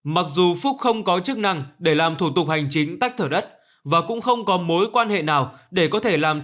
mặc dù phúc không có chức năng để làm thủ tục hành chính tách thửa đất và cũng không có mối quan hệ nào